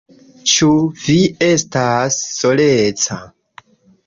Ĉu vi estas soleca?